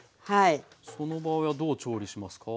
その場合はどう調理しますか？